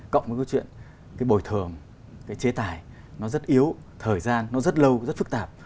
cộng với câu chuyện cái bồi thường cái chế tài nó rất yếu thời gian nó rất lâu rất phức tạp